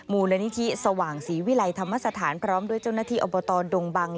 มูลนิธิสว่างศรีวิลัยธรรมสถานพร้อมด้วยเจ้าหน้าที่อบตดงบัง